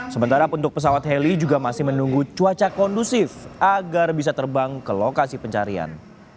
sementara untuk pesawat heli juga masih menunggu cuaca kondusif agar bisa terbang ke lokasi pencarian